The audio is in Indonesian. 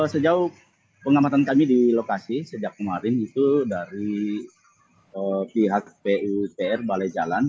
sejauh pengamatan kami di lokasi sejak kemarin itu dari pihak pupr balai jalan